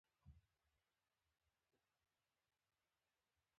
بادرنګ کولای شي د تشو حاجت اسانتیا راولي.